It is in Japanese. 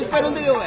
おい。